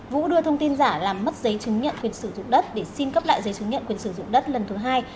vũ đưa thông tin giả làm mất giấy chứng nhận quyền sử dụng đất để xin cấp lại giấy chứng nhận quyền sử dụng đất lần thứ hai